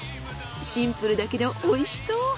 シンプルだけどおいしそう。